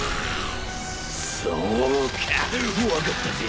そうか分かったぜ